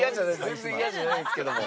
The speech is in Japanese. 全然嫌じゃないですけども。